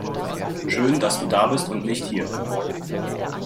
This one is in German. Schön dass du da bist und nicht hier!